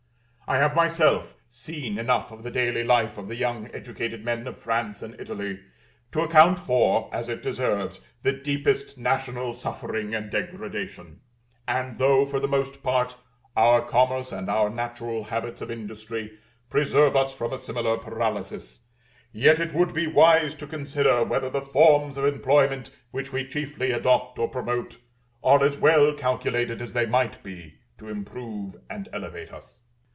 I have myself seen enough of the daily life of the young educated men of France and Italy, to account for, as it deserves, the deepest national suffering and degradation; and though, for the most part, our commerce and our natural habits of industry preserve us from a similar paralysis, yet it would be wise to consider whether the forms of employment which we chiefly adopt or promote, are as well calculated as they might be to improve and elevate us.